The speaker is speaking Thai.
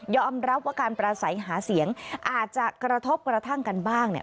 รับว่าการปราศัยหาเสียงอาจจะกระทบกระทั่งกันบ้าง